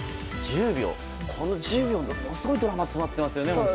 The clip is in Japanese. この１０秒にものすごいドラマが詰まってますよね。